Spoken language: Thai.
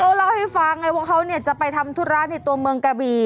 เขาเล่าให้ฟังไงว่าเขาจะไปทำธุระในตัวเมืองกระบี